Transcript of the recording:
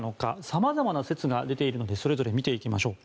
さまざまな説が出ているのでそれぞれ見ていきましょう。